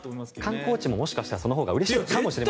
観光地ももしかしたらそのほうがうれしいかもしれないですね。